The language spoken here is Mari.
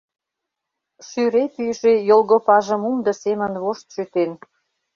Шӱре пӱйжӧ йолгопажым умдо семын вошт шӱтен.